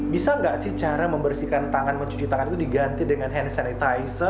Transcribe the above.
bisa nggak sih cara membersihkan tangan mencuci tangan itu diganti dengan hand sanitizer